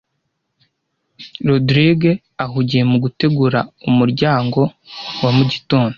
Rogride ahugiye mu gutegura umuryango wa mugitondo.